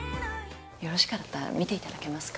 よろしかったら見ていただけますか？